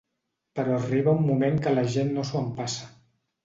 Però arriba un moment que la gent no s'ho empassa.